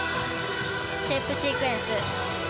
ステップシークエンス。